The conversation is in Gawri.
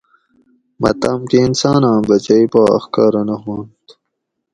مہ تام کہ انساناں بچئی پا اخکارہ نہ ہوانت